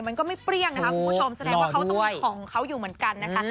มันก็ไม่เปรี้ยงนะคะคุณผู้ชมแสดงว่าเขาต้องมีของเขาอยู่เหมือนกันนะคะ